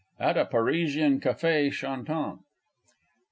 At a Parisian Café Chantant.